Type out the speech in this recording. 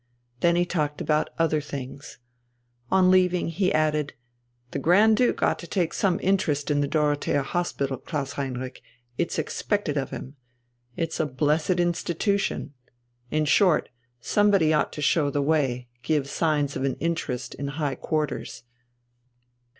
Then he talked about other things. On leaving he added: "The Grand Duke ought to take some interest in the Dorothea Hospital, Klaus Heinrich, it's expected of him. It's a blessed institution. In short, somebody ought to show the way, give signs of an interest in high quarters.